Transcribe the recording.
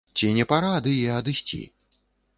Ці не пара ад яе адысці?